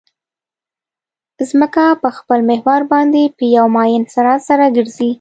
ځمکه په خپل محور باندې په یو معین سرعت سره ګرځي